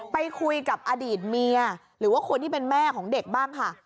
ไปคุยกับอดีตเมียหรือว่าคนที่เป็นแม่ของเด็กบ้างค่ะ